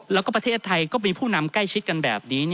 แล้วก็ประเทศไทยก็มีผู้นำใกล้ชิดกันแบบนี้